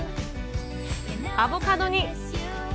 アボカドに。